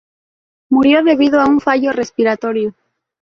Murió debido a un fallo respiratorio.